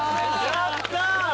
やったー！